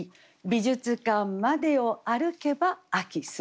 「美術館までを歩けば秋澄めり」。